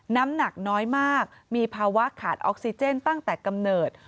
น้ำหนักน้อยมากมีภาวะขาดออกซิเจนตั้งแต่กำเนิด